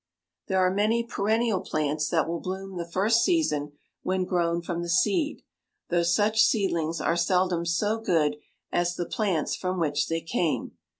There are many perennial plants that will bloom the first season when grown from the seed, though such seedlings are seldom so good as the plants from which they came.